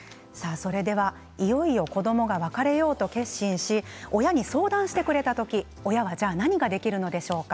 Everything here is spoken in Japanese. いよいよ子どもが別れようと決心し親に相談してくれた時親に何ができるのでしょうか。